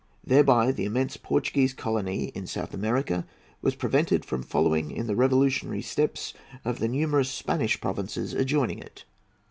Thereby the immense Portuguese colony in South America was prevented from following in the revolutionary steps of the numerous Spanish provinces adjoining it.